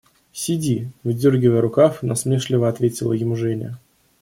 – Сиди! – выдергивая рукав, насмешливо ответила ему Женя.